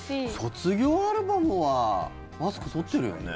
卒業アルバムはマスク取ってるよね？